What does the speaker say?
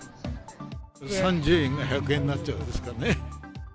３０円が１００円になっちゃうんですからね。